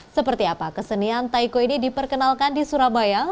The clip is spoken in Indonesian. seperti apa kesenian taiko ini diperkenalkan di surabaya